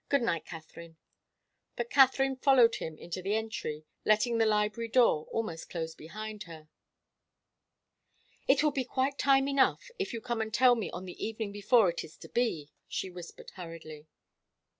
Good night, Katharine." But Katharine followed him into the entry, letting the library door almost close behind her. "It will be quite time enough, if you come and tell me on the evening before it is to be," she whispered hurriedly.